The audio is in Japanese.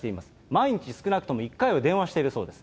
毎日少なくとも１回は電話しているそうです。